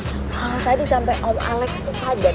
kalau tadi sampai om alex itu sadar